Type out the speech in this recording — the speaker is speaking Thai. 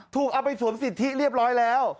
ถูกเอาไปสวมสิทธิเรียบร้อยแล้ว